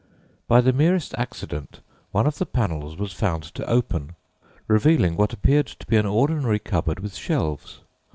By the merest accident one of the panels was found to open, revealing what appeared to be an ordinary cupboard with shelves.